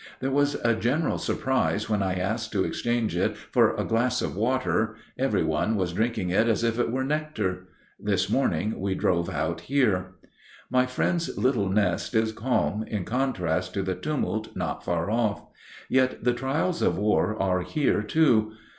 There was a general surprise when I asked to exchange it for a glass of water; every one was drinking it as if it were nectar. This morning we drove out here. My friend's little nest is calm in contrast to the tumult not far off. Yet the trials of war are here too.